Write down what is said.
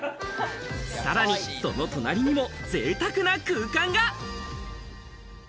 さらに、その隣にもぜいたくな空間が。